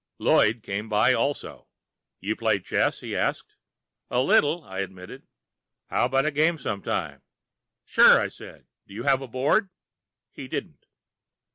Lloyd came by, also. "You play chess?" he asked. "A little," I admitted. "How about a game sometime?" "Sure," I said. "Do you have a board?" He didn't.